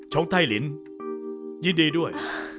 จองไต้ลินยินดีด้วย